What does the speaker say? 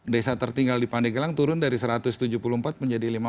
desa tertinggal di pandegelang turun dari satu ratus tujuh puluh empat menjadi lima puluh